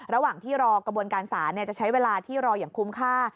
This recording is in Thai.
ระหว่างที่รอกระบวนการศาลจะใช้เวลาที่รออย่างคุ้มค่า